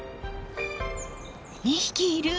２匹いる！